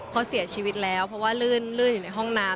เขาเสียชีวิตแล้วเพราะว่าลื่นอยู่ในห้องน้ำ